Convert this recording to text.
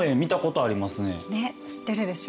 ね知ってるでしょ。